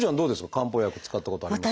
漢方薬使ったことありますか？